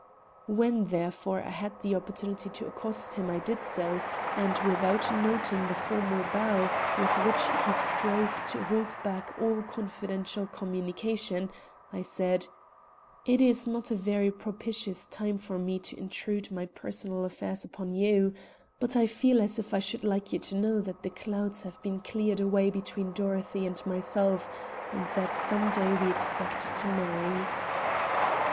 When, therefore, I had the opportunity to accost him I did so, and, without noting the formal bow with which he strove to hold back all confidential communication, I said: "It is not a very propitious time for me to intrude my personal affairs upon you, but I feel as if I should like you to know that the clouds have been cleared away between Dorothy and myself, and that some day we expect to marry."